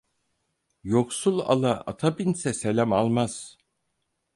Yoksul ala ata binse, selam almaz.